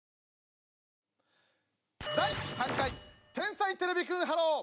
第３回「天才てれびくんｈｅｌｌｏ，」。